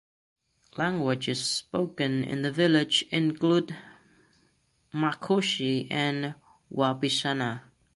Languages spoken in the village include Macushi and Wapishana.